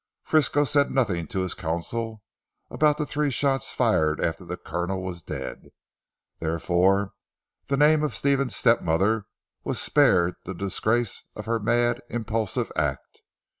Frisco said nothing to his counsel about the three shots fired after the Colonel was dead. Therefore the name of Stephen's step mother was spared the disgrace of her mad impulsive act.